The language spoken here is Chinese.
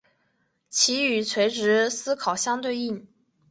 其与垂直思考相对应。